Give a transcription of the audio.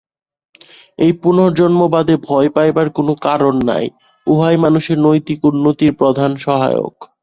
এই পুনর্জন্মবাদে ভয় পাইবার কোন কারণ নাই, উহাই মানুষের নৈতিক উন্নতির প্রধান সহায়ক।